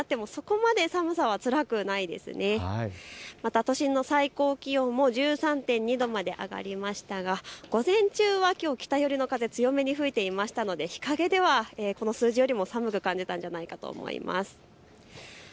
また都心の最高気温も１３．２度まで上がりましたが午前中はきょう、北寄り風、強めに吹いていましたので日陰ではこの数字より寒く感じたんではないですかね。